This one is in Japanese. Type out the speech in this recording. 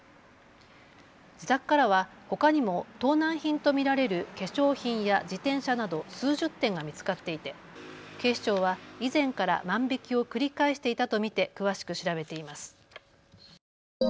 自宅からはほかにも盗難品と見られる化粧品や自転車など数十点が見つかっていて警視庁は以前から万引きを繰り返していたと見て詳しく調べています。